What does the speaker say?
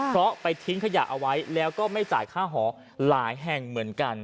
เพราะไปทิ้งขยะเอาไว้แล้วก็ไม่จ่ายค่าหอหลายแห่งเหมือนกัน